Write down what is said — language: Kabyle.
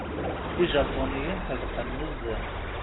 Ijapuniyen ḥedqen nezzeh.